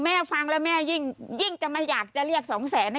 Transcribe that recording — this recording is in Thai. ฟังแล้วแม่ยิ่งจะไม่อยากจะเรียกสองแสน